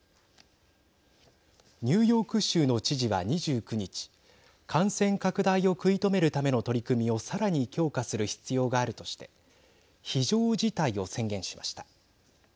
ニューヨーク州の知事は２９日感染拡大を食い止めるための取り組みをさらに強化する必要があるとして非常事態を宣言しました。